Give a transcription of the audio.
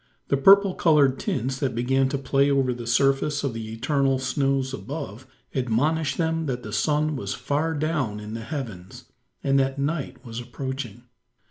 The purple coloured tints, that began to play over the surface of the eternal snows above, admonished them that the sun was far down in the heavens, and that night was approaching.